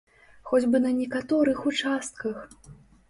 Хоць бы на некаторых участках?